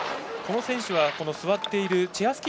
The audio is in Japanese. この選手は座っているチェア